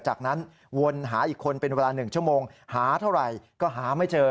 จากนั้นวนหาอีกคนเป็นเวลา๑ชั่วโมงหาเท่าไหร่ก็หาไม่เจอ